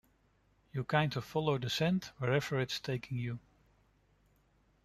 You kind of follow the scent wherever it's taking you.